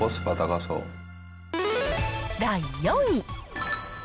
第４位。